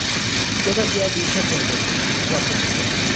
Todavía lucha contra su excesivo apetito.